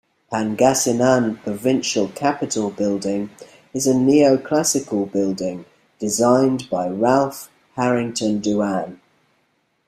Pangasinan Provincial Capitol Building is a neoclassical building designed by Ralph Harrington Doane.